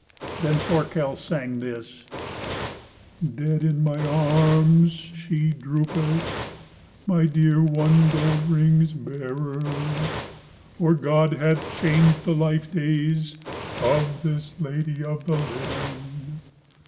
Then Thorkel sang this: "Dead in mine arms she droopeth, My dear one, gold rings bearer, For God hath changed the life days Of this Lady of the linen.